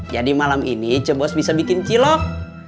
jadi malam ini coh bos bisa bikin cilok